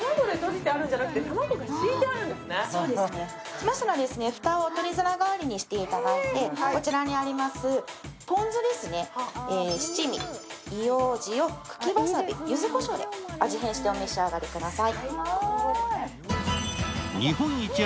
まずは蓋を取り皿代わりにしていただいて、こちらにありますポン酢ですね、七味も、硫黄塩、茎わさび、ゆずこしょうで味変してお召し上がりください。